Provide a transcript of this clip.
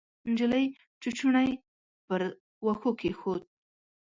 نجلۍ چوچوڼی پر وښو کېښود.